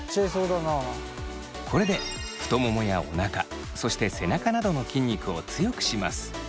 これで太ももやおなかそして背中などの筋肉を強くします。